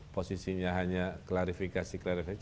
posisinya hanya klarifikasi klarifikasi